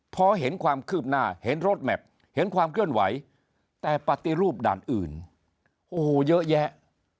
พอเห็นความคืบหน้าเห็นรถแมพเห็นความเคลื่อนไหวแต่ปฏิรูปด่านอื่นโอ้โหเยอะแยะ